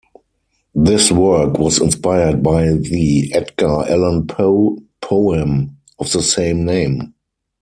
This work was inspired by the Edgar Allan Poe poem of the same name.